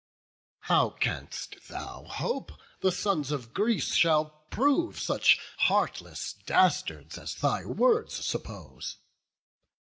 How canst thou hope the sons of Greece shall prove Such heartless dastards as thy words suppose?